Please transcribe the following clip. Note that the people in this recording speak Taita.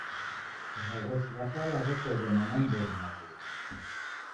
W'aghosi w'a kala w'ekoghe na mwambori na w'uya